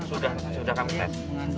ya karena sudah kami tes